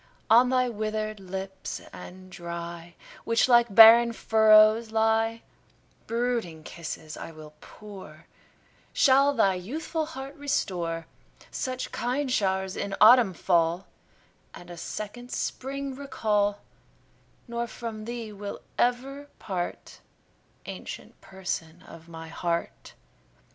On thy withered lips and dry, Which like barren furrows lie, Brooding kisses I will pour, Shall thy youthful heart restore, Such kind show'rs in autumn fall, And a second spring recall; Nor from thee will ever part, Ancient Person of my heart.